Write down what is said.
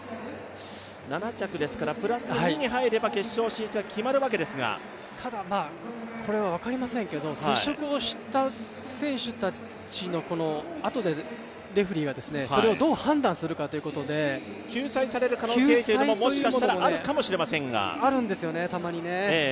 ７着ですからプラス２に入れば決勝進出は決まるわけですからただこれはわかりませんけど接触をした選手たちのあとでレフェリーがそれをどう判断するかということで救済ということもあるんですよね、たまにね。